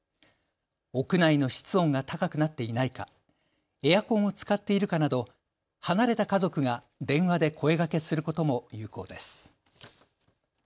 屋内の室温が高くなっていないか、エアコンを使っているかなど離れた家族が電話で声がけすることも有効です。